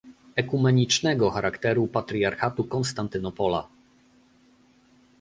Ekumenicznego charakteru patriarchatu Konstantynopola